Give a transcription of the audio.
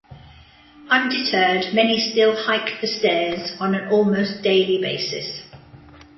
Undetered, many still hike the stairs on an almost daily basis.